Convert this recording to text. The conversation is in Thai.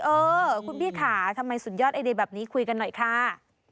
เออคุณพี่ขาทำไมสุดยอดไอเดียแบบนี้คุยกันหน่อยค่ะ